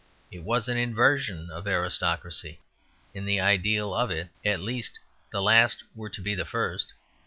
It was an inversion of aristocracy; in the ideal of it, at least, the last were to be first.